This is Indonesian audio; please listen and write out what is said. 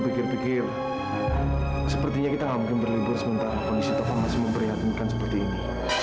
pikir pikir sepertinya kita mungkin berlibur sementara memperhatikan seperti ini